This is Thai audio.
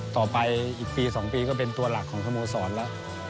ต่อไปอีกปี๒ปีก็เป็นตัวหลักของสโมสรแล้ว